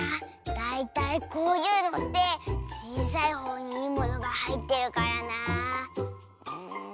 だいたいこういうのってちいさいほうにいいものがはいってるからなあ。